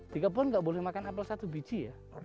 tiga pohon nggak boleh makan apel satu biji ya